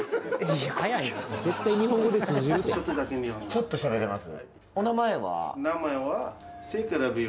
ちょっとしゃべれます？